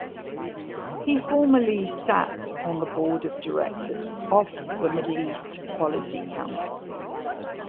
He formerly sat on the Board of Directors of the Middle East Policy Council.